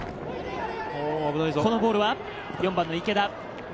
このボールは４番の池田。